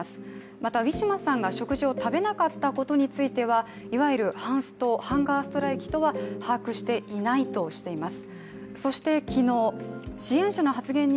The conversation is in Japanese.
またウィシュマさんが食事を食べなかったことについてはいわゆるハンスト、ハンガーストライキとは把握していないとしています。